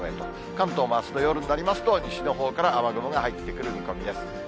関東もあすの夜になりますと、西のほうから雨雲が入ってくる見込みです。